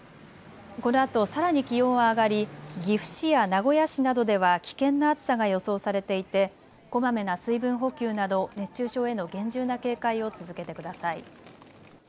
このあとさらに気温は上がり岐阜市や名古屋市などでは危険な暑さが予想されていて、こまめな水分補給など熱中症への厳重な警戒を続けてください。